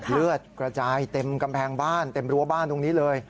เลือดกระจายเต็มกำแพงบ้านเต็มรั้วบ้านตรงนี้เลย